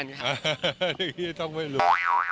นี่ต้องไม่รู้